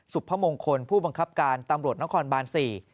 พมงคลผู้บังคับการตำรวจนครบาน๔